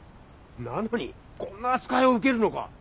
なのにこんな扱いを受けるのか？